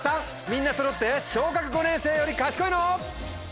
みんなそろって小学５年生より賢いの⁉